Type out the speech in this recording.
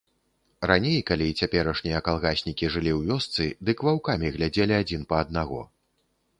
Раней, калі цяперашнія калгаснікі жылі ў вёсцы, дык ваўкамі глядзелі адзін па аднаго.